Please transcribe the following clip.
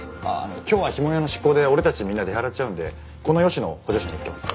今日は碑文谷の執行で俺たちみんな出払っちゃうんでこの吉野を補助者につけます。